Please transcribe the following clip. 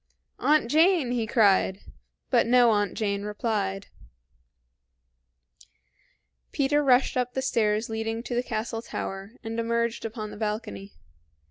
"Aunt Jane!" he cried; but no Aunt Jane replied. Peter rushed up the stairs leading to the castle tower, and emerged upon the balcony.